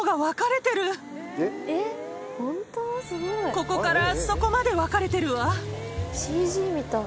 ここからそこまで分かれてるわ。